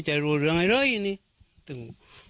พันให้หมดตั้ง๓คนเลยพันให้หมดตั้ง๓คนเลย